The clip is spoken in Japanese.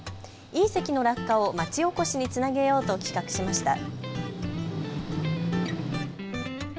隕石の落下を町おこしにつなげようと企画しました。